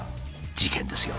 事件ですよ。